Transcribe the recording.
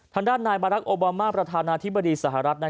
ทางด้านนายบารักษ์โอบามาประธานาธิบดีสหรัฐ